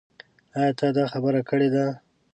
ايا تا دا خبره کړې ده ؟